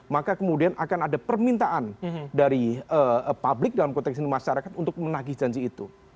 maka kemudian akan ada permintaan dari publik dalam konteks ini masyarakat untuk menagih janji itu